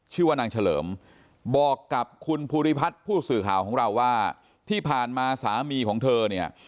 ชื่อว่านางเฉลิมบอกกับคุณภูริพัฒน์ผู้สื่อข่าวของเราว่าที่ผ่านมาสามีของเธอเนี่ย